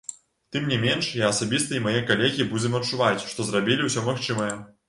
Тым не менш, я асабіста і мае калегі будзем адчуваць, што зрабілі ўсё магчымае.